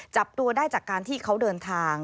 จับตัวได้จากการที่เขาเดินทาง